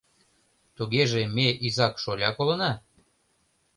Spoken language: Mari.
Тугеже ме изак-шоляк улына?